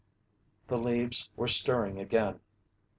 The leaves were stirring again.